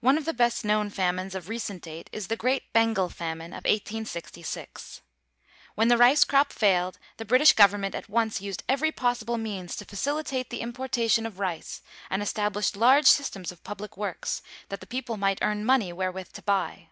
One of the best known famines of recent date is the great Bengal famine of 1866. When the rice crop failed the British government at once used every possible means to facilitate the importation of rice and established large systems of public works that the people might earn money wherewith to buy.